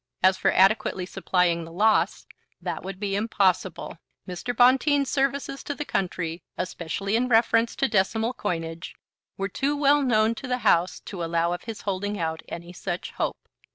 As for adequately supplying the loss, that would be impossible. Mr. Bonteen's services to the country, especially in reference to decimal coinage, were too well known to the House to allow of his holding out any such hope."